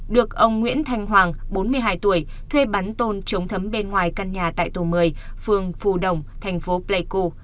được ông nguyễn thanh hoàng bốn mươi hai tuổi thuê bắn tôn chống thấm bên ngoài căn nhà tại tổ một mươi phường phù đồng thành phố pleiku